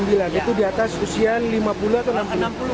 itu di atas usia lima puluh atau enam puluh